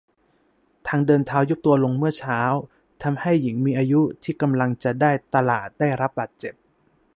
ทางเดินเท้ายุบตัวลงเมื่อเช้า ทำให้หญิงมีอายุที่กำลังจะได้ตลาดได้รับบาดเจ็บ